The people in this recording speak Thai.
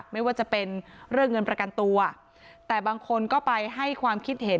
ไม่ว่าจะเป็นเรื่องเงินประกันตัวแต่บางคนก็ไปให้ความคิดเห็น